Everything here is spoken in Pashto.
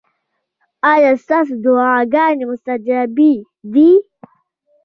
ایا ستاسو دعاګانې مستجابې دي؟